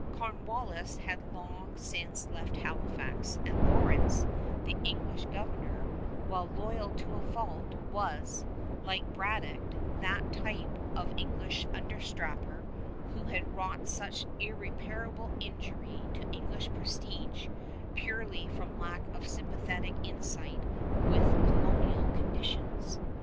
Cornwallis had long since left Halifax, and Lawrence, the English governor, while loyal to a fault, was, like Braddock, that type of English understrapper who has wrought such irreparable injury to English prestige purely from lack of sympathetic insight with colonial conditions.